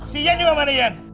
si ian juga mana ian